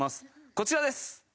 こちらです。